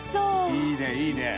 いいねいいね。